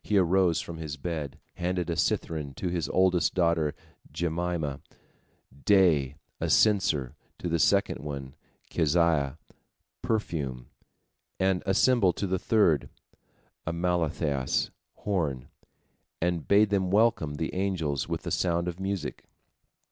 He arose from his bed, handed a cithern to his oldest daughter Jemimah, "Day," a censer to the second one, Keziah, "Perfume," and a cymbal to the third, Amaltheas, "Horn," and bade them welcome the angels with the sound of music.